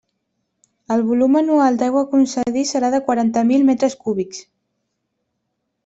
El volum anual d'aigua a concedir serà de quaranta mil metres cúbics.